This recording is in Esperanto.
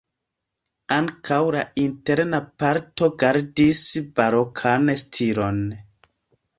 Ankaŭ la interna parto gardis barokan stilon.